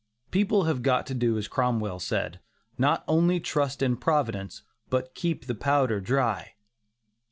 People have got to do as Cromwell said: "not only trust in Providence, but keep the powder dry."